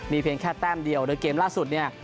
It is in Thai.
มีเพลงแค่แต้มเดียวเดียวเกมล่าสุด